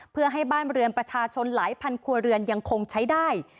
เพื่อให้บ้านเรือนประชาชนหลายพันครัวเรือนยังคงใช้ได้